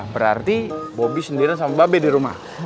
berarti bobby sendirian sama mba be di rumah